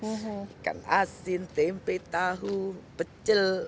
ikan asin tempe tahu pecel